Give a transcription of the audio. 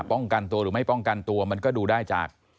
ป้องกันตัวหรือไม่ป้องกันตัวมันก็ดูได้จาก